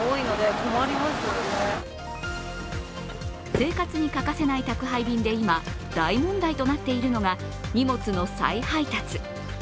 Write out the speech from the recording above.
生活に欠かせない宅配便で今、大問題となっているのが荷物の再配達。